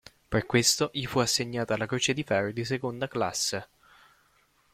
Per questo gli fu assegnata la Croce di Ferro di Seconda Classe.